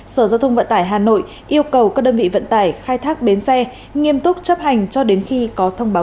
sở giao thông vận tải hà nội yêu cầu các đơn vị vận tải khai thác bến xe nghiêm túc chấp hành cho đến khi có thông báo